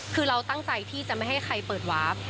คือเราตั้งใจที่จะไม่ให้ใครเปิดวาร์ฟ